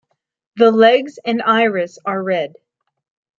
The legs and iris are red.